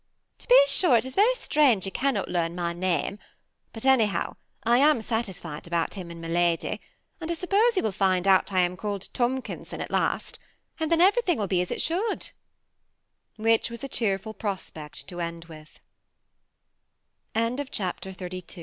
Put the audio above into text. To be sure it is very strange he cannot learn my name ; but anyhow I am satisfied about him and my lady, and I suppose he will find out I am called Tomkinson at last, and then everything will be as it should," which was a cheerfu